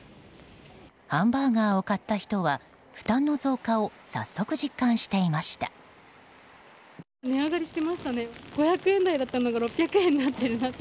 ハンバーガーを買った人は負担の増加を早速、実感していました。